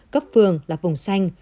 cấp phường là vùng xanh